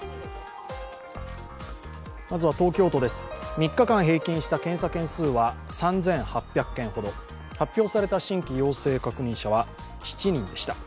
３日間平均した検査件数は３８００件ほど発表された新規陽性確認者は７人でした。